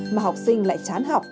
mà học sinh lại chán học